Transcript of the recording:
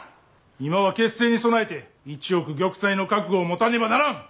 今は決戦に備えて一億玉砕の覚悟を持たねばならん。